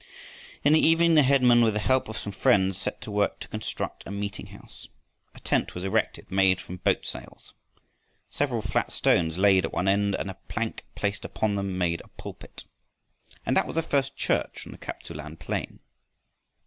In the evening the headman with the help of some friends set to work to construct a meeting house. A tent was erected, made from boat sails. Several flat stones laid at one end and a plank placed upon them made a pulpit. And that was the first church on the Kap tsu lan plain!